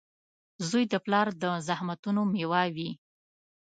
• زوی د پلار د زحمتونو مېوه وي.